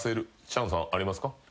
チャンさんありますか？